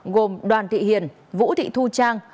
gồm đoàn thị hiền vũ thị thu trang